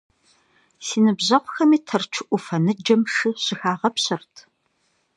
Си ныбжьэгъухэми Тэрч Ӏуфэ ныджэм шы щыхагъэпщырт.